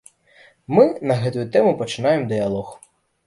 Мы на гэтую тэму пачынаем дыялог.